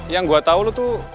yang gue tau lo tuh